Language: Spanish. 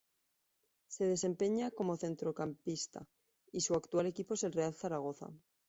Se desempeña como centrocampista y su actual equipo es el Real Zaragoza.